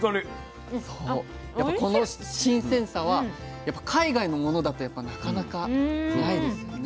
やっぱこの新鮮さは海外のものだとなかなかないですよね。